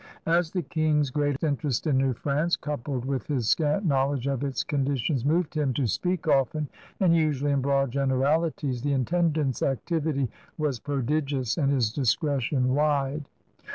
As the King's great interest in New France, coupled with his scant knowledge of its conditions, moved him to speak often, and usually in broad generalities, the intendant's activity was prodigious and his discretion wide.